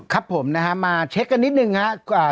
ครับผมนะฮะมาเช็คกันนิดนึงครับ